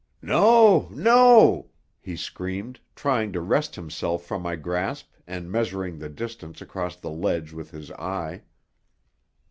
"No, no!" he screamed, trying to wrest himself from my grasp and measuring the distance across the ledge with his eye.